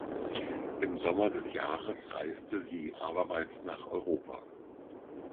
Im Sommer des Jahres reiste sie abermals nach Europa.